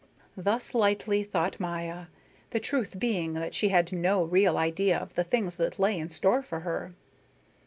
Thus lightly thought Maya, the truth being that she had no real idea of the things that lay in store for her.